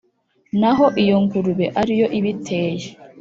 Naho iyo ngurube ari yo ibiteye